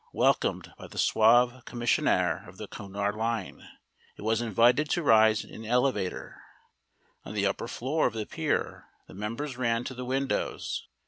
Welcomed by the suave commissionaire of the Cunard Line, it was invited to rise in the elevator. On the upper floor of the pier the members ran to the windows.